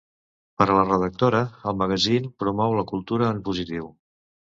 Per a la redactora, el magazín promou “la cultura en positiu”.